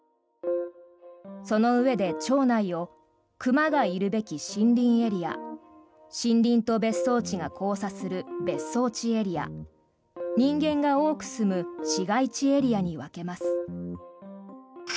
そのうえで町内を、熊がいるべき森林エリア森林と別荘地が交差する別荘地エリア人間が多く住む市街地エリアに分けます。